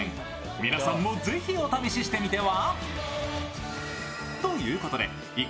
皆さんも、是非お試ししてみては？